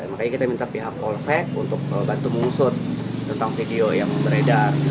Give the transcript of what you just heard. makanya kita minta pihak polsek untuk bantu mengusut tentang video yang beredar